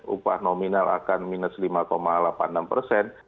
upah nominal akan minus lima delapan puluh enam persen